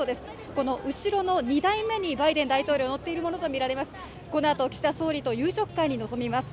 この後ろの２台目に、バイデン大統領乗っているものとみられます。